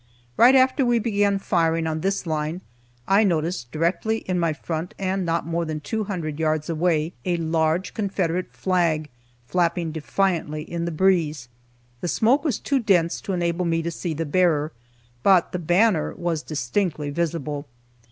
Right after we began firing on this line I noticed, directly in my front and not more than two hundred yards away, a large Confederate flag flapping defiantly in the breeze. The smoke was too dense to enable me to see the bearer, but the banner was distinctly visible.